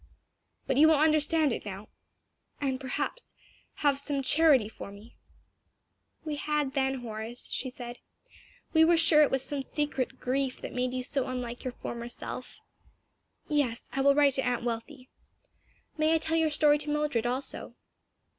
"But you will understand it now and perhaps have some charity for me." "We had then, Horace," she said, "we were sure it was some secret grief that made you so unlike your former self. Yes, I will write to Aunt Wealthy. May I tell your story to Mildred also?"